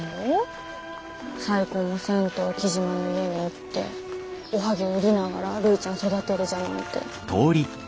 再婚もせんと雉真の家におっておはぎゅう売りながらるいちゃん育てるじゃなんて。